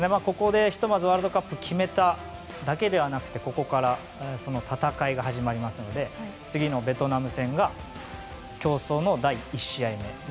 ここでひとまずワールドカップを決めただけではなくてここからその戦いが始まりますので次のベトナム戦が競争の第１試合目。